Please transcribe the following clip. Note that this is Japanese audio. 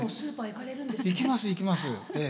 行きます行きますええ。